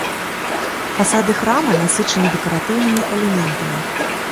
Фасады храма насычаны дэкаратыўнымі элементамі.